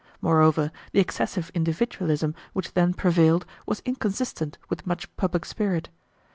Moreover, the excessive individualism which then prevailed was inconsistent with much public spirit.